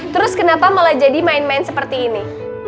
terus kenapa malah jadi main main seperti ini